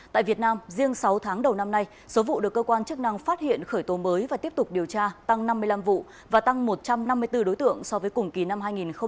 tại việt nam riêng sáu tháng đầu năm nay số vụ được cơ quan chức năng phát hiện khởi tố mới và tiếp tục điều tra tăng năm mươi năm vụ và tăng một trăm năm mươi bốn đối tượng so với cùng kỳ năm hai nghìn một mươi chín